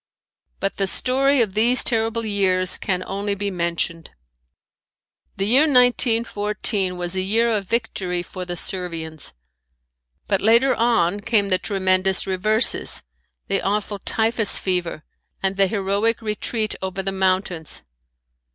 But the story of these terrible years can only be mentioned. The year 1914 was a year of victory for the Servians. But later on came the tremendous reverses, the awful typhus fever and the heroic retreat over the mountains.